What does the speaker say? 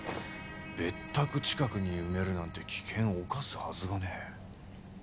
別宅近くに埋めるなんて危険を冒すはずがねえ。